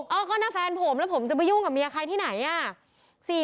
เออก็นะแฟนผมแล้วผมจะไปยุ่งกับเมียใครที่ไหนอ่ะ